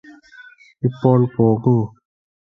ഇപ്പോൾ പോകൂ